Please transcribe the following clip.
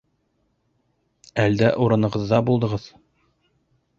Әлдә урынығыҙҙа булдығыҙ.